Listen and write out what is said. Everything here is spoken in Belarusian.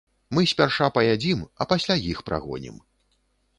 Мы спярша паядзім, а пасля іх прагонім.